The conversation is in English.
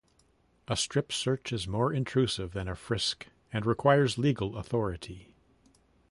A strip search is more intrusive than a frisk and requires legal authority.